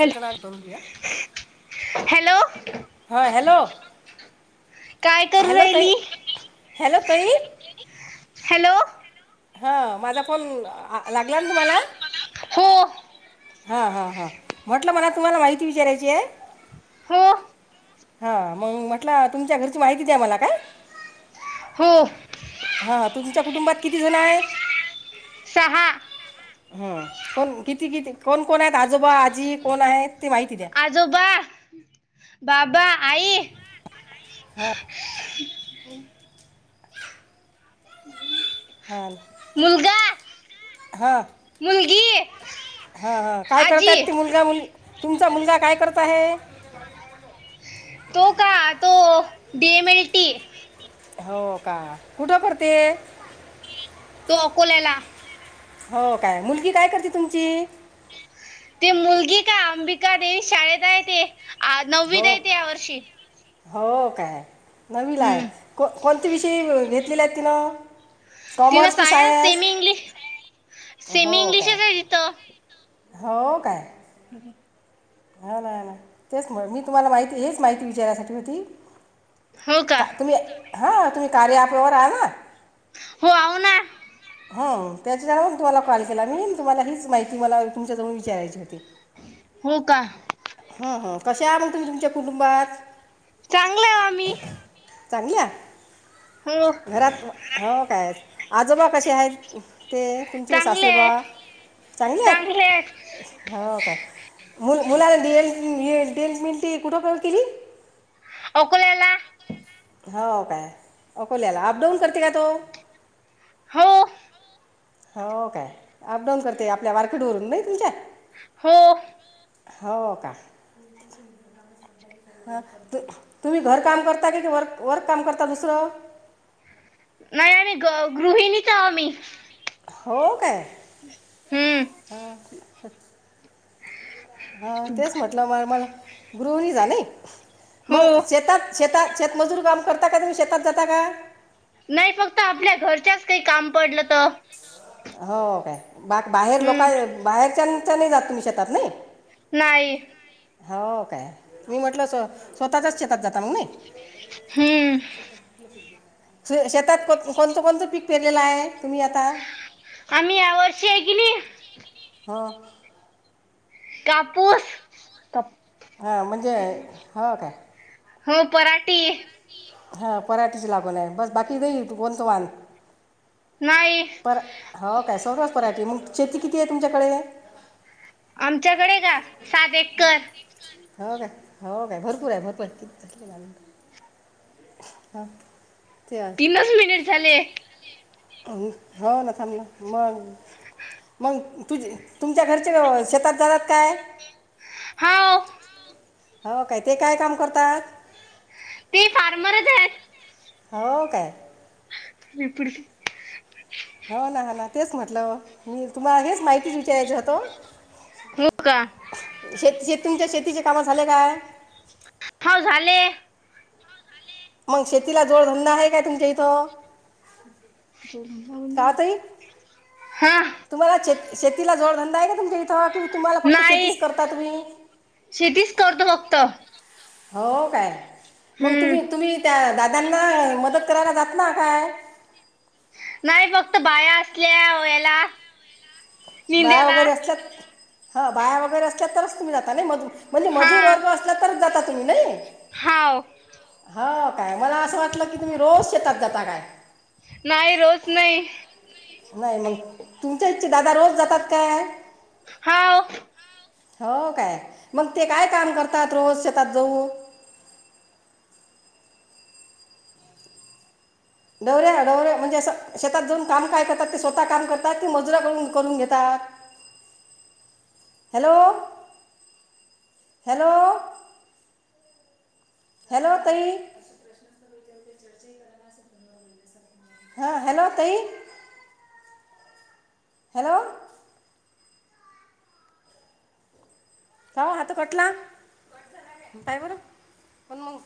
Hello hello हा hello काय करू हॅलो ताई, राहिली हॅलो ताई हॅलो हा माझा फोन लागला ना तुम्हाला... हो, हा हा हा म्हटलं मला तुम्हाला माहिती विचारायची आहे. हो. हा मग म्हटलं तुमच्या घरची माहिती द्या मला काय हो. हा तुमच्या कुटुंबात किती जण आहेत? सहा. हम्म कोण किती किती कोण कोण आहेत? आजोबा आजी कोण आहेत ते माहिती द्या. आजोबा बाबा आई हा हां मुलगा मुलगी हा हा काय आजी करतात ते मुलगा मुलगी तुमचा मुलगा काय करत आहे? तो का तो डी एम एल टी हो का... कुठं पडते? तो अकोलेला हो काय! मुलगी काय करते तुमची? ते मुलगी का अंबिका देवी शाळेत आहे ते नववीत हो आहे या वर्षी. हो काय नववीला आहे कोणते विषय घेतलेले आहेत तिनं. कॉमर्स कि सायन्स सेमी इंग्लिश सेमी हो काय. इंग्लिशच आहे तिथं हो काय. [inaudible] हो ना तेच मी तुम्हाला माहिती हेच माहिती विचारायसाठी होती. हो का हा तुम्ही कार्या ऍपवर आहे ना. हो आहे ना. हो त्याच्यावरून तुम्हाला कॉल केला मी तुम्हाला हीच माहिती मला तुमच्याजवळ विचारायची होती. हो का. हं, हं. कशा आहात मग तुम्ही तुमच्या कुटुंबात चांगलं आहे आम्ही चांगल्या. [inaudible] घरात हो काय आजोबा कसे आहेत ते तुमचे चांगले सासरेबुवा. आहेत चांगले आहेत. हो काय मु मुल D D M L T कुठ बर केली? अकोलेला. हो काय अकोल्याला अप डाऊन करते का तो? हो. हो काय अपडाऊन करते आपल्या वारखेड वरून नाही तुमच्या हो. हो का. तुम्ही घर काम करता कि व वर्क काम करता दुसरं नाही नाही ग गृहिणीच आहे मी. हो काय हम्म. हा तेच म्हटलं म मला गृहिणीच आहे ना. मग हो शेतात शेतात शेतमजूर काम करता का तुम्ही शेतात जाता का? नाही फक्त आपल्या घरच्याच काही काम पडलं तर हो काय बाहेर लोक हम्म बाहेरच्यांच्या नाही जात तुम्ही शेतात नाही. नाही. हो काय मी म्हंटलं स्वतःच शेतात जा हम्म. श शेतांत कोणतं कोणतं पीक पेरलेलं आहे तुम्हीं आतां आम्हीं यां वर्षी आहे की नाहीं हो कांपूस कांप हां म्हणजे हं कायं हो पराटे हां पराटेची लागून आहे बस बाकी जाईल तू कोणतं वान नाही पर हो का सर्व पराठी मंग शेती किती आहे तुमच्यांकडे आमच्याकडे का सात एकर हो का हो कायं भरंपूर आहे भरंपूर आहे किती झांले हं तीनच मिनिट झाले. हो ना थांब मग मग तुझ तुमच्या घरी शेतात जातात काय. हाव हो काय ते काय काम करतात. ते फार्मरच आहेत. हो काय. [unintelligible] हो ना ह ना तेच म्हटलं मी तुम्हाला हेच माहितीच विचारायच होत हो का तुमच्या शेतीचे काम झाले काय. हव झाले. मग शेतीला जोडधंदा आहे काय तुमच्या इथं कां तांई हा तुम्हांला श शेतीला जोडधंदा आहे कां तुमच्यां इथं कि तुम्हांला फक्तं नाही शेतीचं करतांत तुम्हीं शेतीच करतो फक्त हो कायं मंग हम्म तुम्हीं तुम्हीं त्यां दादांना मंदत करांयला जातां जातांना कायं नाहीं फक्तं बाया असल्यां यांलां बांया वगैरे असल्यां हां बांया वगैरें असल्यां तरचं तुम्हीं जाता नाहीं मध म्हण हा मंजूर वर्ग असलां तरचं जांतां तुम्हीं नाहीं हाव हां कायं मंलां असं वाटलं की तुम्हीं रोज शेतात जातां कायं नाहीं रोज नाहीं नाहीं मंग तुमच्यां ईच्छा दादा रोज जातांत कायं हाव हो कायं मंग ते कायं कामं करतांत रोज शेतात जाऊं डवऱ्यां डवऱ्यां म्हणंजे शेतात जाऊंन कामं कायं करतांत ते स्वतः कामं करतांत की मजुरां करूंन करूंन घेतांत ह हॅलो हॅलो हॅलो तांई हा हॅलो तांई हॅलो हो हात खटला पांयं बरं पणं मंग